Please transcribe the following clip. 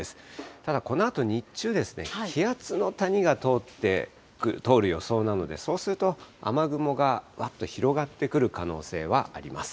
ただ、このあと日中ですね、気圧の谷が通る予想なので、そうすると雨雲がわっと広がってくる可能性はあります。